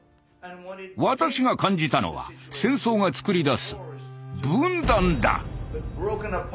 私が感じたのは戦争がつくり出す分断だ。